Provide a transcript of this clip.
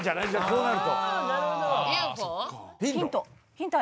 ヒント。